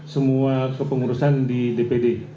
semua kepengurusan di dpd